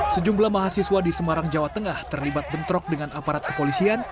sejumlah mahasiswa di semarang jawa tengah terlibat bentrok dengan aparat kepolisian